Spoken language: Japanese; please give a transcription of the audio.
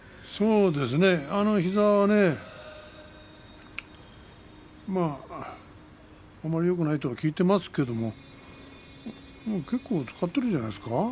あの膝はねあまりよくないとは聞いていますけども結構使っているんじゃないですか。